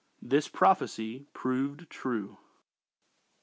This prophecy proved true.